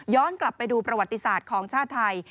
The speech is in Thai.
กลับไปดูประวัติศาสตร์ของชาติไทย